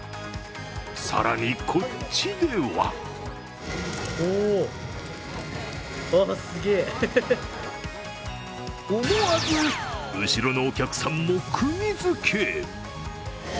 更に、こっちでは思わず後ろのお客さんもくぎづけ。